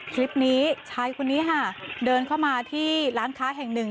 คลิปนี้ชายคนนี้ค่ะเดินเข้ามาที่ร้านค้าแห่งหนึ่ง